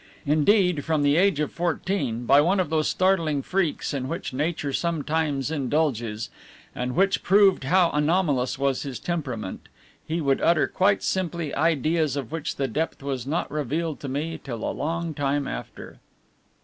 Indeed, from the age of fourteen, by one of those startling freaks in which nature sometimes indulges, and which proved how anomalous was his temperament, he would utter quite simply ideas of which the depth was not revealed to me till a long time after.